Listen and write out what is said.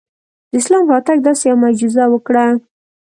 د اسلام راتګ داسې یوه معجزه وکړه.